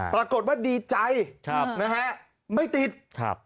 ปรากฏว่าดีใจนะฮะ